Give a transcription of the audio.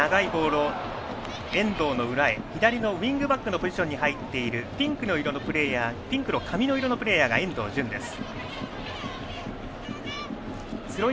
左のウイングバックのポジションに入っているピンクの髪の色のプレーヤーが遠藤純です。